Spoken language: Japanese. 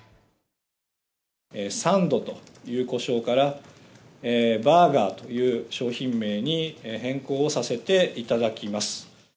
サンドという呼称から、バーガーという商品名に変更をさせていただきます。